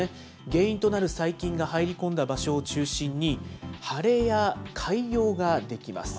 原因となる細菌が入り込んだ場所を中心に、腫れや潰瘍が出来ます。